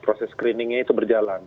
proses screeningnya itu berjalan